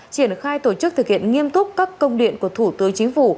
triển khai tổ chức thực hiện nghiêm túc các công điện của thủ tướng chính phủ